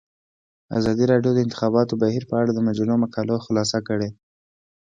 ازادي راډیو د د انتخاباتو بهیر په اړه د مجلو مقالو خلاصه کړې.